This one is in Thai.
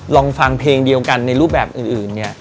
ลองฟังเพลงเดียวกันในรูปแบบอื่นเนี่ย